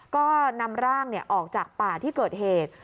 ก็นำร่างออกจากป่าที่เกิดเหตุ